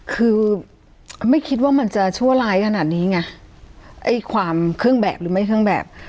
คือไม่คิดว่ามันจะชั่วร้ายขนาดนี้ไงไอ้ความเครื่องแบบหรือไม่เครื่องแบบ